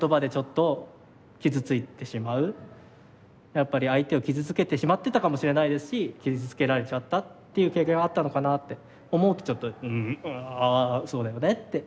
やっぱり相手を傷つけてしまってたかもしれないですし傷つけられちゃったっていう経験があったのかなって思うとちょっとああそうだよねって。